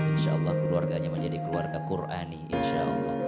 insyaallah keluarganya menjadi keluarga qurani insyaallah